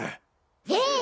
ええ！